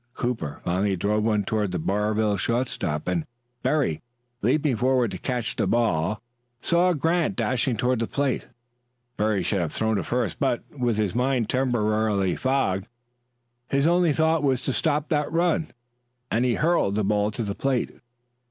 Cooper finally drove one toward the Barville shortstop, and Berry, leaping forward to catch the ball, saw Grant dashing toward the plate. Berry should have thrown to first, but, with his mind temporarily fogged, his only thought was to stop that run, and he hurled the ball to the plate.